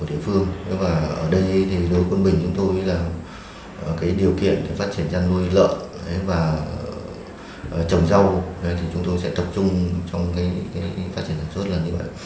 đối với quân bình điều kiện phát triển chăn nuôi lợn và trồng rau chúng tôi sẽ tập trung trong phát triển sản xuất